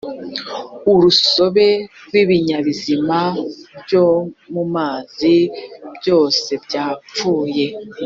urusobe rw’ ibinyabuzima byo mu mazi byose bya pfuye